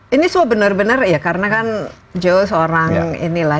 ini so bener bener ya karena kan jo seorang ini lah